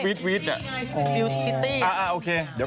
โอเคเดี๋ยวกลับมา